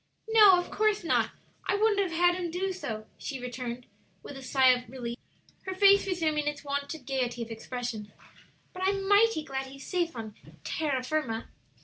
"No, of course not; I wouldn't have had him do so," she returned, with a sigh of relief, her face resuming its wonted gayety of expression; "but I'm mighty glad he's safe on terra firma."